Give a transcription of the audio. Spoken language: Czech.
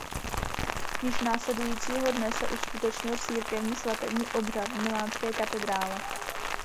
Již následujícího dne se uskutečnil církevní svatební obřad v milánské katedrále.